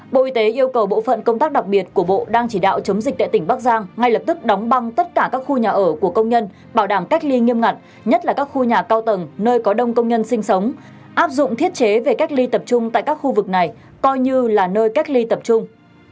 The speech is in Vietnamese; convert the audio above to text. bộ y tế yêu cầu bộ phận công tác đặc biệt của bộ đang chỉ đạo chống dịch tại tỉnh bắc giang ngay lập tức đóng băng tất cả các khu nhà ở của công nhân bảo đảm cách ly nghiêm ngặt nhất là các khu nhà cao tầng nơi có đông công nhân sinh sống áp dụng thiết chế về cách ly tập trung tại các khu vực này coi như là nơi cách ly tập trung